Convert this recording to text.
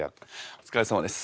お疲れさまです。